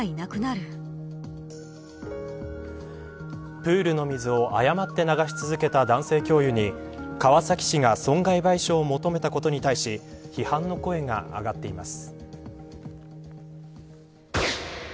プールの水を誤って流し続けた男性教諭に川崎市が損害賠償を求めたことに対し批判の声が上がっています。